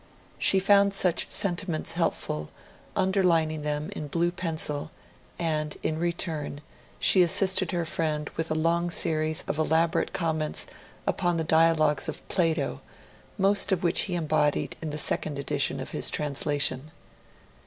She found such sentiments helpful, underlining them in blue pencil; and, in return, she assisted her friend with a long series of elaborate comments upon the Dialogues of Plato, most of which he embodied in the second edition of his translation.